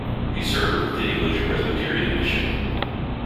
He served with the English Presbyterian Mission.